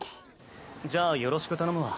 じゃあよろしく頼むわ。